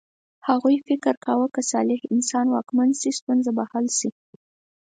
هغوی فکر کاوه که صالح انسان واکمن شي ستونزه به حل شي.